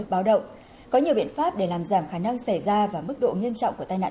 ba mươi một tỷ đồng mỗi năm để khắc phục hậu quả này